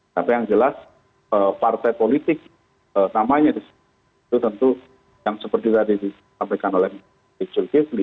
tapi yang jelas partai politik namanya disitu tentu yang seperti tadi disampaikan oleh zulkifli